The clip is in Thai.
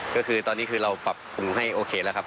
ก็คือตอนนี้คือเราปรับปรุงให้โอเคแล้วครับ